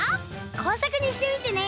こうさくにしてみてね。